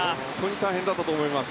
大変だったと思います。